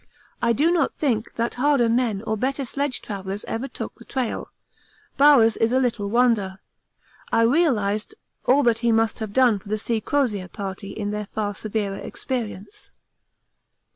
I do not think that harder men or better sledge travellers ever took the trail. Bowers is a little wonder. I realised all that he must have done for the C. Crozier Party in their far severer experience.